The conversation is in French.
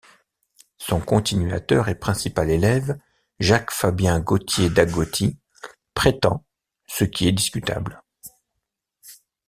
Son continuateur et principal élève Jacques-Fabien Gautier-Dagoty prétend, ce qui est discutable.